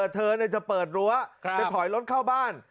เธอจะเปิดรั้วจะถอยรถเข้าบ้าน